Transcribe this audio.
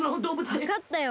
わかったよ。